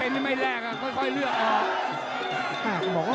ตอนนี้มันถึง๓